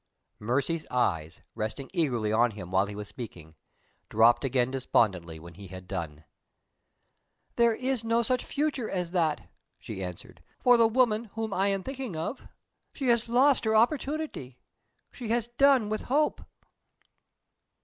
Mercy's eyes, resting eagerly on him while he was speaking, dropped again despondingly when he had done. "There is no such future as that," she answered, "for the woman whom I am thinking of. She has lost her opportunity. She has done with hope."